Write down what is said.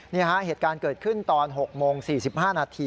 เหตุการณ์เกิดขึ้นตอน๖โมง๔๕นาที